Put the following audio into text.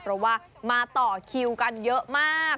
เพราะว่ามาต่อคิวกันเยอะมาก